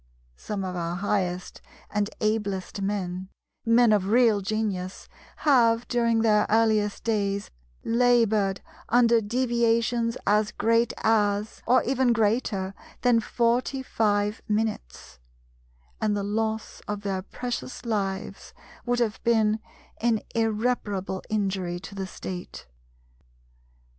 Some of our highest and ablest men, men of real genius, have during their earliest days laboured under deviations as great as, or even greater than forty five minutes: and the loss of their precious lives would have been an irreparable injury to the State.